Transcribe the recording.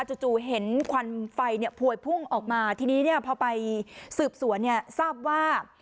จู่เห็นควันไฟเนี่ยผวยพุ่งออกมาทีนี้เนี่ยพอไปสืบสวนเนี่ยทราบว่า